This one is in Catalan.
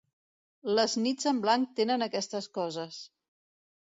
Les nits en blanc tenen aquestes coses.